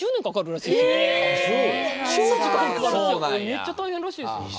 めっちゃ大変らしいですよ。